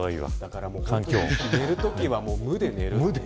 寝るときは無で寝る。